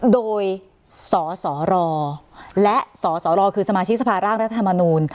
โดยสสรและสสรคือสมาชิกสภาร่างรัฐธรรมนูล